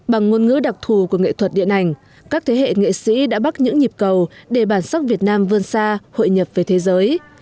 bằng ngôn ngữ đặc thù của nghệ thuật điện ảnh các thế hệ nghệ sĩ đã bắt những nhịp cầu để bản sắc việt nam vươn xa hội nhập với thế giới